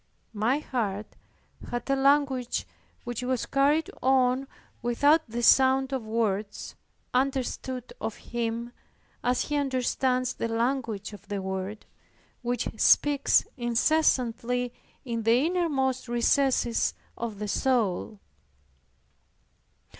My heart had a language which was carried on without the sound of words, understood of Him, as He understands the language of the Word, which speaks incessantly in the innermost recesses of the soul.